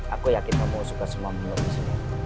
aku yakin kamu mau suka sama mulut disini